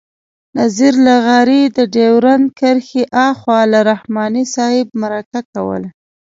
نذیر لغاري د ډیورنډ کرښې آخوا له رحماني صاحب مرکه کوله.